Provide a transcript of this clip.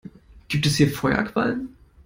Gibt es hier Feuerquallen?